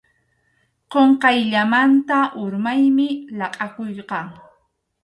Qunqayllamanta urmaymi laqʼakuyqa.